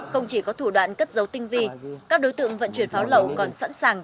không chỉ có thủ đoạn cất dấu tinh vi các đối tượng vận chuyển pháo lậu còn sẵn sàng